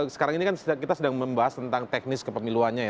sekarang ini kan kita sedang membahas tentang teknis kepemiluannya ya